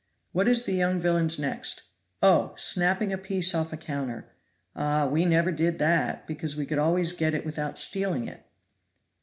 What is the young villain's next Oh! snapping a piece off a counter. Ah! we never did that because we could always get it without stealing it."